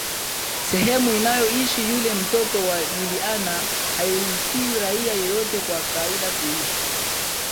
Sehemu anayoishi yule mtoto wa Juliana hairuhusiwi raia yeyote wa kawaida kuishi